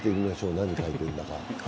何を書いているのか。